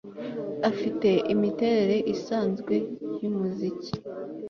Afite imiterere isanzwe yumuziki